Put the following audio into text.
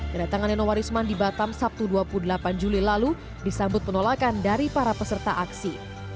kedatangan nenowarisman di batam sabtu dua puluh delapan juli lalu disambut penolakan dari para peserta aksi